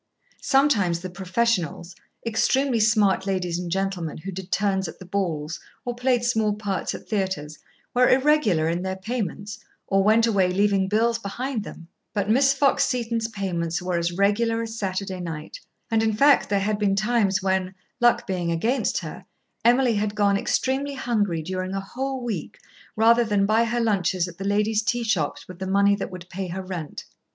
Sometimes the "professionals," extremely smart ladies and gentlemen who did turns at the balls or played small parts at theatres, were irregular in their payments or went away leaving bills behind them; but Miss Fox Seton's payments were as regular as Saturday night, and, in fact, there had been times when, luck being against her, Emily had gone extremely hungry during a whole week rather than buy her lunches at the ladies' tea shops with the money that would pay her rent.